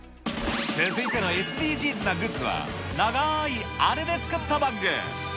続いてのＳＤＧｓなグッズは、長ーいあれで作ったバッグ。